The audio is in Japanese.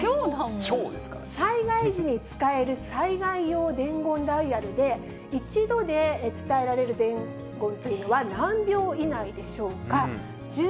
災害時に使える災害用伝言ダイヤルで、一度で伝えられる伝言というのは何秒以内でしょうか。